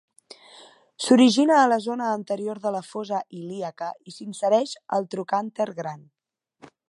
S'origina a la zona anterior de la fosa ilíaca i s'insereix al trocànter gran.